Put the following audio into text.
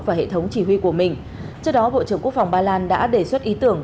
và hệ thống chỉ huy của mình trước đó bộ trưởng quốc phòng ba lan đã đề xuất ý tưởng